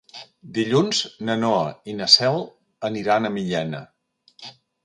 Dilluns na Noa i na Cel aniran a Millena.